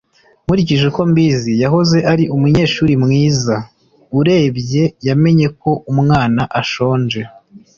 Nkurikije uko mbizi, yahoze ari umunyeshuri mwiza. Urebye, yamenye ko umwana ashonje.